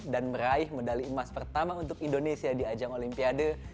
dan meraih medali emas pertama untuk indonesia di ajang olimpiade